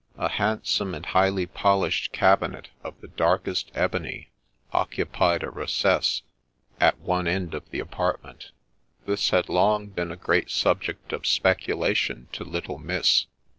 A handsome and highly polished cabinet of the darkest ebony occupied a recess at one end of the apartment ; this had long been a great subject of speculation to little Miss.